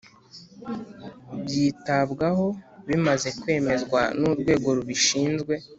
byitabwaho bimaze kwemezwa n urwego rubishinzwe